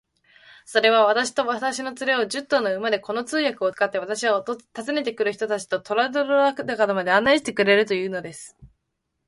それは、私と私の連れを、十頭の馬で、この通訳を使って、私は訪ねて来る人たちとトラルドラグダカまで案内してくれるというのです。